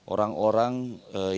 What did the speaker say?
orang orang yang berkembang